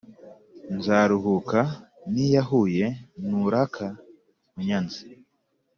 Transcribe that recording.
Nzaruhuka niyahuye nuraka unyanze